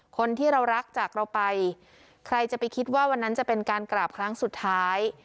คนที่เรารักจากเราไปใครจะไปคิดว่าวันนั้นจะเป็นการกราบครั้งสุดท้าย